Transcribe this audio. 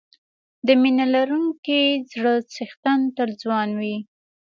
د مینه لرونکي زړه څښتن تل ځوان وي.